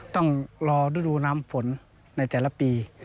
ต้องรอฤดูน้ำฝนในแต่ละปี